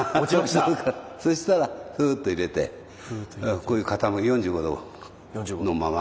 そしたらフーッと入れてこう４５度のまま。